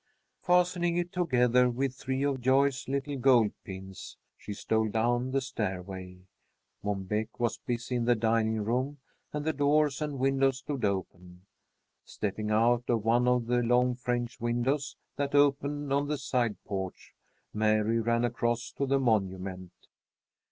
Fastening it together with three of Joyce's little gold pins, she stole down the stairway. Mom Beck was busy in the dining room, and the doors and windows stood open. Stepping out of one of the long French windows that opened on the side porch, Mary ran across to the monument.